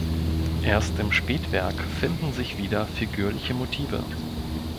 Erst im Spätwerk finden sich wieder figürliche Motive.